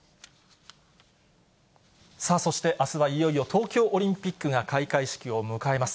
さあ、そしてあすはいよいよ東京オリンピックが開会式を迎えます。